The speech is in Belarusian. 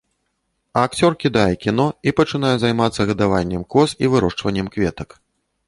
Акцёр кідае кіно і пачынае займацца гадаваннем коз і вырошчваннем кветак.